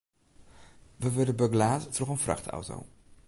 We wurde begelaat troch in frachtauto.